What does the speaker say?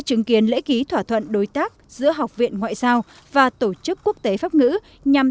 chứng kiến lễ ký thỏa thuận đối tác giữa học viện ngoại giao và tổ chức quốc tế pháp ngữ nhằm